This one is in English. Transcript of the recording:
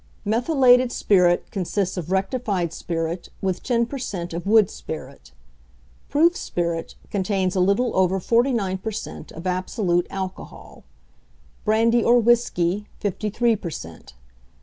Methylated spirit consists of rectified spirit with 10 per cent. of wood spirit. Proof spirit contains a little over 49 per cent. of absolute alcohol; brandy or whisky, 53 per cent.